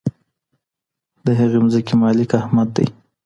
د هغې مځکي مالک احمد دی.